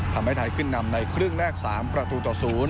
ทำให้ไทยขึ้นนำในครึ่งแรก๓ประตูต่อ๐